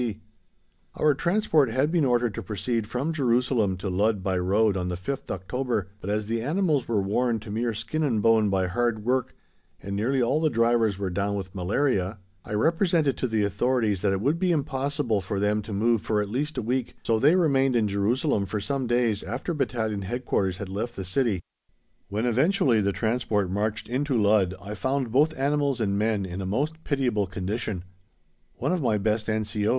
C. Our transport had been ordered to proceed from Jerusalem to Ludd by road on the 5th October, but as the animals were worn to mere skin and bone by hard work, and nearly all the drivers were down with malaria, I represented to the authorities that it would be impossible for them to move for at least a week, so they remained in Jerusalem for some days after Battalion Headquarters had left the City. When eventually the transport marched in to Ludd I found both animals and men in a most pitiable condition. One of my best N.C.O.